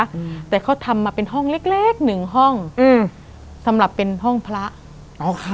อืมแต่เขาทำมาเป็นห้องเล็กเล็กหนึ่งห้องอืมสำหรับเป็นห้องพระอ๋อค่ะ